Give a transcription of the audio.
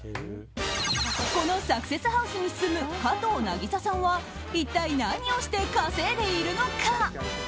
このサクセスハウスに住む加藤なぎささんは一体何をして稼いでいるのか。